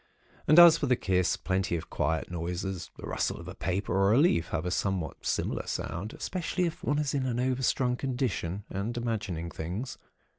And as for the kiss, plenty of quiet noises—the rustle of a paper or a leaf — have a somewhat similar sound, especially if one is in an overstrung condition, and imagining things.